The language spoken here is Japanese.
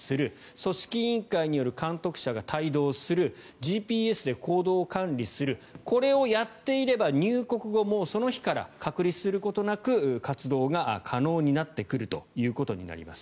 組織委員会による監督者が帯同するＧＰＳで行動を管理するこれをやっていれば入国後もうその日から隔離することなく活動が可能になってくるということになります。